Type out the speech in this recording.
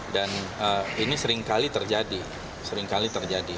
dan ini seringkali terjadi